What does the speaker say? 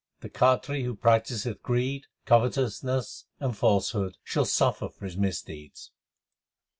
The Khatri who practiseth greed, covetousness, and falsehood, Shall suffer for his misdeeds.